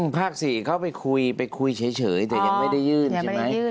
ภาค๔เข้าไปคุยไปคุยเฉยแต่ยังไม่ได้ยื่นใช่ไหม